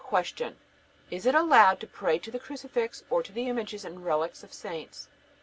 Q. Is it allowed to pray to the crucifix or to the images and relics of the saints?